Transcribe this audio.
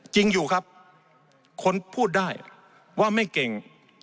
จริงอยู่ครับคนพูดได้ว่าไม่เก่ง